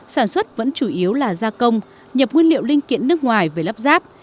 sản xuất vẫn chủ yếu là gia công nhập nguyên liệu linh kiện nước ngoài về lắp ráp